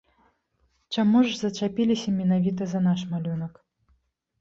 Чаму ж зачапіліся менавіта за наш малюнак?